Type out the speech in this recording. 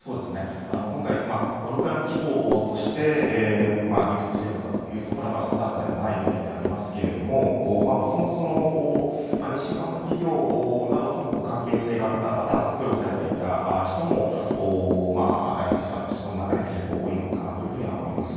今回どのくらいの規模として流出しているのかはまだ定かではないんですがもともと西側の企業などとの関係性があったまたは雇用されていた人も脱出した人の中には非常に多いのかなと思います。